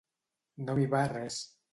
No m'hi va res.